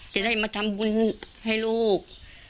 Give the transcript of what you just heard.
จะได้มาทำบุญให้ลูก